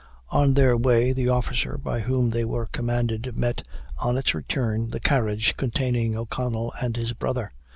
On their way the officer by whom they were commanded met, on its return, the carriage containing O'Connell and his brother.